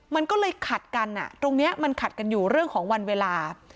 มันก็เลยขัดกันตรงนี้มันขัดกันอยู่เรื่องของวันเวลา